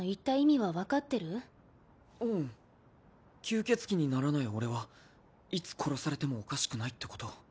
吸血鬼にならない俺はいつ殺されてもおかしくないってこと。